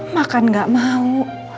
makan gak mau